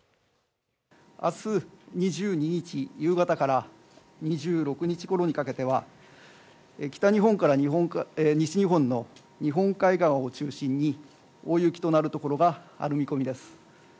明日２２日夕方から２６日ごろにかけては北日本から西日本の日本海側を中心に大雪になるおそれがあります。